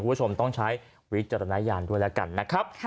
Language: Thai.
คุณผู้ชมต้องใช้วิจารณญาณด้วยแล้วกันนะครับ